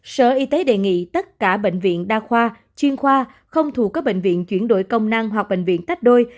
sở y tế đề nghị tất cả bệnh viện đa khoa chuyên khoa không thuộc các bệnh viện chuyển đổi công năng hoặc bệnh viện tách đôi